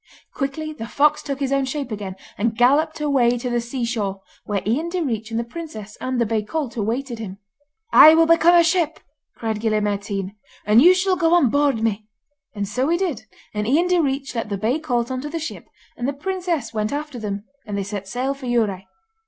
Quickly the fox took his own shape again, and galloped away to the sea shore, where Ian Direach and the princess and the bay colt awaited him. 'I will become a ship,' cried Gille Mairtean, 'and you shall go on board me.' And so he did, and Ian Direach let the bay colt into the ship and the princess went after them, and they set sail for Dhiurradh.